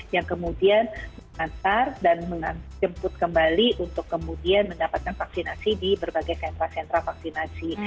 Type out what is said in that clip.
yang kemudian mengantar dan menjemput kembali untuk kemudian mendapatkan vaksinasi di berbagai sentra sentra vaksinasi